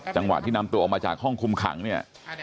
จังหวะที่นำตัวออกมาจากห้องคุมขังเนี่ย